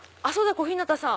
小日向さん。